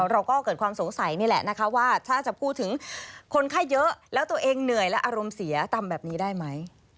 เราก็เกิดความสงสัยนี่แหละนะคะว่าถ้าจะพูดถึงคนไข้เยอะแล้วตัวเองเหนื่อยและอารมณ์เสียทำแบบนี้ได้ไหม